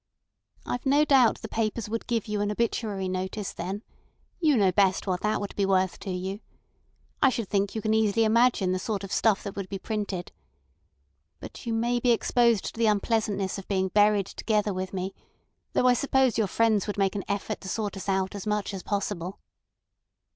"I've no doubt the papers would give you an obituary notice then. You know best what that would be worth to you. I should think you can imagine easily the sort of stuff that would be printed. But you may be exposed to the unpleasantness of being buried together with me, though I suppose your friends would make an effort to sort us out as much as possible."